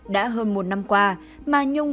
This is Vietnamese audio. đã hơn một năm qua mà nhung